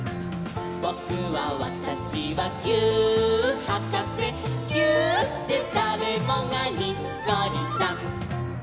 「ぼくはわたしはぎゅーっはかせ」「ぎゅーっでだれもがにっこりさん！」